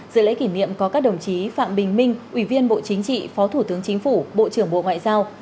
dự lễ kỷ niệm có các đồng chí phạm bình minh ủy viên bộ chính trị phó thủ tướng chính phủ bộ trưởng bộ ngoại giao